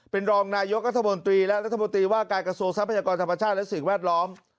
เป็นรองนายกรัฐมนตรีและรัฐมนตรีว่าการกระทรวงทรัพยากรธรรมชาติและสิ่งแวดล้อม